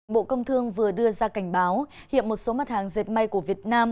bộ công thương vừa đưa ra cảnh báo hiện một số mặt hàng dệt may của việt nam